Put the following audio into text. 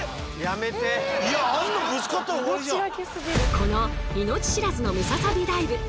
この命知らずのムササビダイブ。